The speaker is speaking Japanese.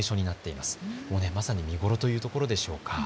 まさに見頃というところでしょうか。